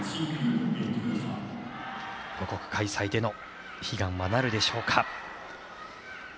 母国開催での悲願はなるでしょうか。